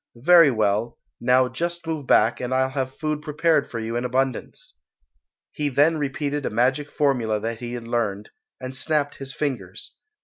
Very well, now just move back and I'll have food prepared for you in abundance." He then repeated a magic formula that he had learned, and snapped his fingers.